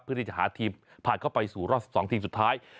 เพื่อที่จะหาทีมผ่านเข้าไปสู่รอบ๑๒ทีมสุดท้าย